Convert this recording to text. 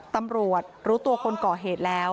ตำรวจรู้ตัวคนก่อเหตุแล้ว